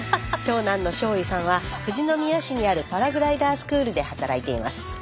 長男の将唯さんは富士宮市にあるパラグライダースクールで働いています。